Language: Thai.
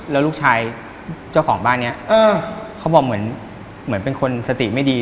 แล้วลูกชายเจ้าของบ้านนี้เขาบอกเหมือนเป็นคนสติไม่ดี